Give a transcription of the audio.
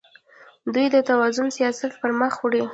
دوی د توازن سیاست پرمخ وړي.